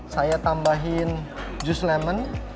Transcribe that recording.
saya tambahin jus lemon